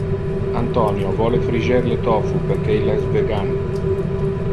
Antonio vole friger le tofu perque il es vegan.